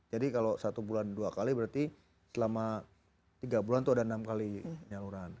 kalau satu bulan dua kali berarti selama tiga bulan itu ada enam kali nyaluran